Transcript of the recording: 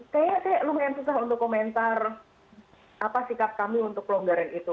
kayaknya saya lumayan susah untuk komentar apa sikap kami untuk pelonggaran itu